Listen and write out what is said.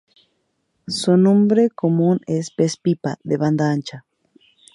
Su nombre común es pez pipa de banda ancha.